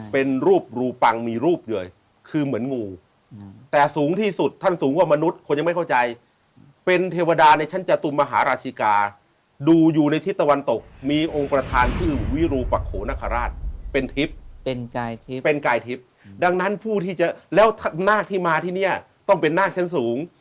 เป็นรูปรูปังมีรูปเลยคือเหมือนงูแต่สูงที่สุดท่านสูงว่ามนุษย์คนยังไม่เข้าใจเป็นเทวดาในชั้นจตุมหาราชิกาดูอยู่ในทิศตะวันตกมีองค์ประธานชื่อวิรูปะโขนคราชเป็นทิพย์เป็นกายทิพย์เป็นกายทิพย์ดังนั้นผู้ที่จะแล้วนาคที่มาที่เนี่ยต้องเป็นนาคชั้นสูง